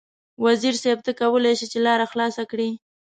وزیر صیب ته کولای شې چې لاره خلاصه کړې.